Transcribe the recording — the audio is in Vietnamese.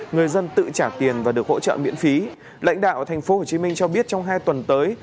người dân tự trả tiền và được hỗ trợ miễn phí lãnh đạo thành phố hồ chí minh cho biết trong hai tuần tới